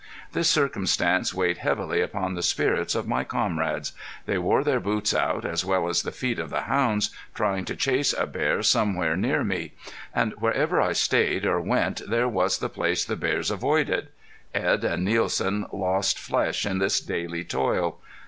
This circumstance weighed heavily upon the spirits of my comrades. They wore their boots out, as well as the feet of the hounds, trying to chase a bear somewhere near me. And wherever I stayed or went there was the place the bears avoided. Edd and Neilsen lost flesh in this daily toil.